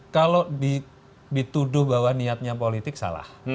kalau dituduh bahwa niatnya politik salah